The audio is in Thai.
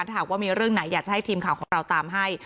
หากว่ามีเรื่องไหนอยากจะให้ทีมข่าวของเราตามให้